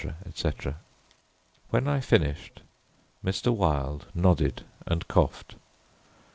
etc. When I finished, Mr. Wilde nodded and coughed.